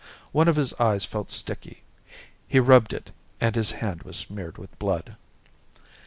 One of his eyes felt sticky. He rubbed at it and his hand was smeared with blood.